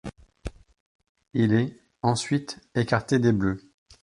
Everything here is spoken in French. Il est, ensuite, écarté des Bleus.